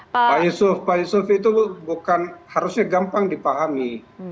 pak yusuf pak yusuf itu bukan harusnya gampang dipahami